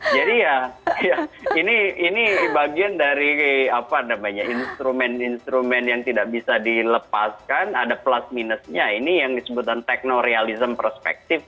jadi ya ini bagian dari instrumen instrumen yang tidak bisa dilepaskan ada plus minusnya ini yang disebutkan techno realism perspective